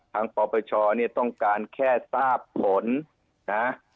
ปปชเนี่ยต้องการแค่ทราบผลนะ